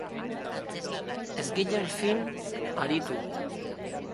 Ez ginen fin aritu.